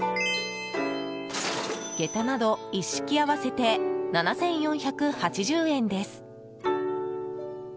げたなど一式合わせて７４８０円です。